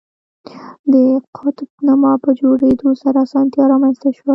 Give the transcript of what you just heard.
د قطب نما په جوړېدو سره اسانتیا رامنځته شوه.